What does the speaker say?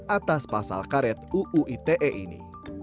atas pasal karet uu ite ini